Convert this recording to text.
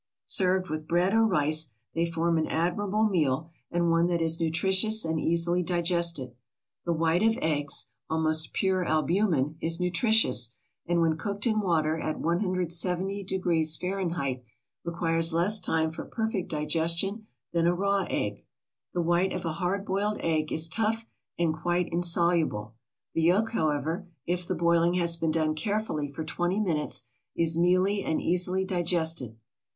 Served with bread or rice, they form an admirable meal and one that is nutritious and easily digested. The white of eggs, almost pure albumin, is nutritious, and, when cooked in water at 170 degrees Fahrenheit, requires less time for perfect digestion than a raw egg. The white of a hard boiled egg is tough and quite insoluble. The yolk, however, if the boiling has been done carefully for twenty minutes, is mealy and easily digested.